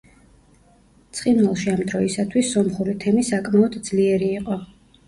ცხინვალში ამ დროისათვის სომხური თემი საკმაოდ ძლიერი იყო.